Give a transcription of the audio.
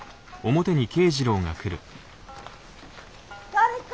・誰か！